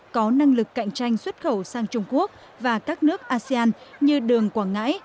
có năng lực cạnh tranh xuất khẩu sang trung quốc và các nước asean như đường quảng ngãi